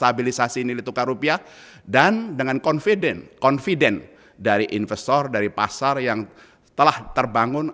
stabilisasi nilai tukar rupiah dan dengan confident dari investor dari pasar yang telah terbangun